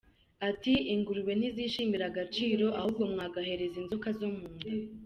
Ati “ingurube ntizishimira agaciro, ahubwo mwagahereza inzoka zo munda.